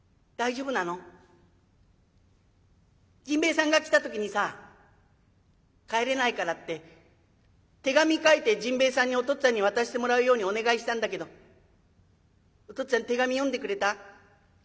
甚兵衛さんが来た時にさ帰れないからって手紙書いて甚兵衛さんにお父っつぁんに渡してもらうようにお願いしたんだけどお父っつぁん手紙読んでくれた？